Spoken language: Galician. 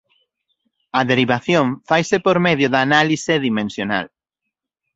A derivación faise por medio da análise dimensional.